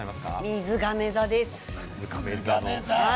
みずがめ座です。